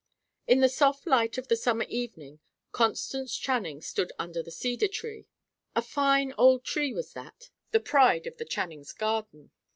In the soft light of the summer evening, Constance Channing stood under the cedar tree. A fine old tree was that, the pride of the Channings' garden.